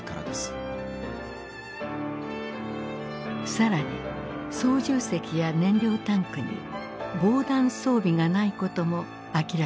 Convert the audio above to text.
更に操縦席や燃料タンクに防弾装備がないことも明らかとなった。